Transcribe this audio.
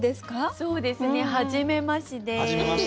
そうですねはじめまして。